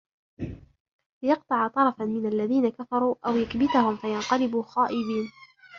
لِيَقْطَعَ طَرَفًا مِنَ الَّذِينَ كَفَرُوا أَوْ يَكْبِتَهُمْ فَيَنْقَلِبُوا خَائِبِينَ